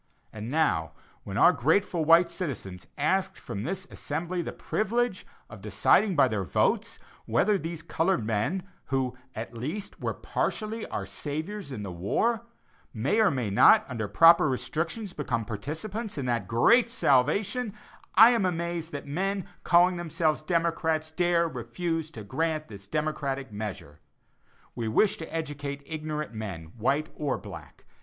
And now, when our grateful white citizens ask from this assembly the privilege of deciding by their votes whether these colored men, who, at least, were partially our saviors in the war, may or may not, under proper restrictions, become participants in that great salvation, I am amazed that men calling themselves democrats dare refuse to grant this democratic measure. We wish to educate ignorant men, white or black.